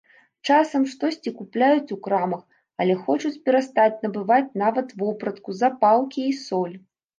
Часам штосьці купляюць у крамах, але хочуць перастаць набываць нават вопратку, запалкі і соль.